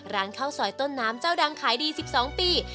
ร้านข้าวซอยต้นน้ำเจ้าดังขายดี๑๒ปี